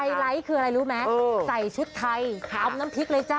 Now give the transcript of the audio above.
ไลท์คืออะไรรู้ไหมใส่ชุดไทยทำน้ำพริกเลยจ้